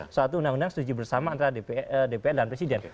suatu undang undang setuju bersama antara dpr dan presiden